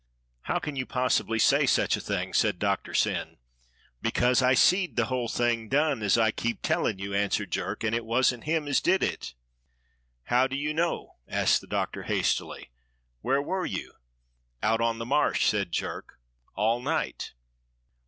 "How can you possibly say such a thing?" said Doctor Syn. "Because I seed the whole thing done, as I keep tellin' you," answered Jerk, "and it wasn't him as did it." "How do you know?" asked the Doctor hastily. "Where were you?" "Out on the Marsh," said Jerk, "all night."